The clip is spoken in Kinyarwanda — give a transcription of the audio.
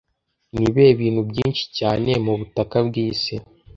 Ni ibihe bintu byinshi cyane mubutaka bwisi